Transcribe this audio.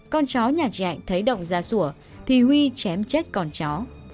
con chó nhà chị hạnh thấy động ra sủa thì huy chém chết con chó